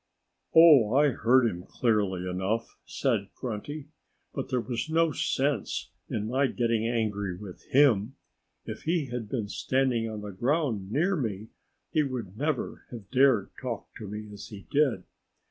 "Oh, I heard him clearly enough," said Grunty. "But there was no sense in my getting angry with him. If he had been standing on the ground near me he would never have dared talk to me as he did.